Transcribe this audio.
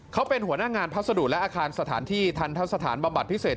เขาเป็นหัวหน้างานพัสดุและอาคารสถานที่ทันทะสถานบำบัดพิเศษ